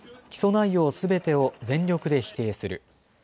起訴内容すべてを全力で否定する。